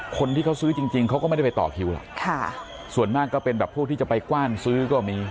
คนที่เขาซื้อจริงจริงเขาก็ไม่ได้ไปต่อคิวหรอกค่ะส่วนมากก็เป็นแบบพวกที่จะไปกว้านซื้อก็มี